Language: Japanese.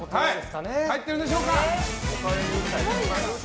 入ってるでしょうか。